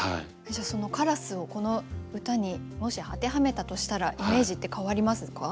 じゃあ「カラス」をこの歌にもし当てはめたとしたらイメージって変わりますか？